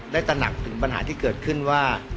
ตระหนักถึงปัญหาที่เกิดขึ้นว่า